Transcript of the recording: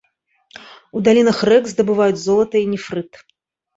У далінах рэк здабываюць золата і нефрыт.